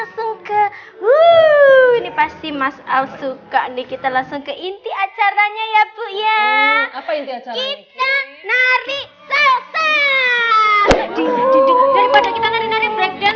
wuh ini pasti mas al suka nih kita langsung ke inti acaranya ya bu ya apa itu kita nari